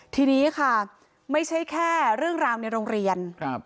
ทีนี้ค่ะไม่ใช่แค่เรื่องราวในโรงเรียน